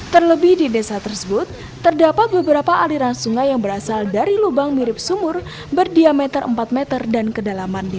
terlebih di desa tersebut terdapat beberapa aliran sungai yang berasal dari lubang mirip sumur berdiameter empat meter dan kedalaman